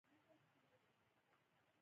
پښتانه د پرمختګ پر لور روان دي